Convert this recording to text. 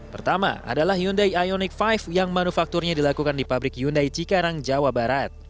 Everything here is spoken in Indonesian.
pertama adalah hyundai ioniq lima yang manufakturnya dilakukan di pabrik hyundai cikarang jawa barat